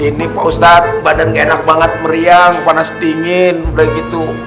ini pak ustadz badannya enak banget meriang panas dingin udah gitu